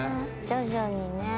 徐々にね。